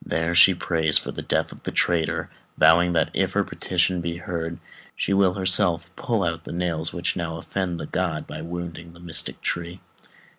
There she prays for the death of the traitor, vowing that, if her petition be heard, she will herself pull out the nails which now offend the god by wounding the mystic tree.